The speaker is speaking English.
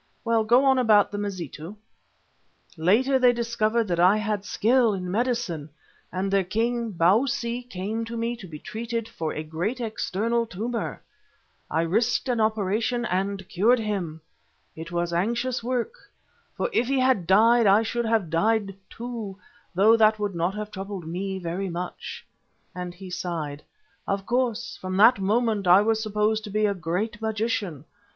"Well, go on about the Mazitu." "Later they discovered that I had skill in medicine, and their king, Bausi, came to me to be treated for a great external tumour. I risked an operation and cured him. It was anxious work, for if he had died I should have died too, though that would not have troubled me very much," and he sighed. "Of course, from that moment I was supposed to be a great magician.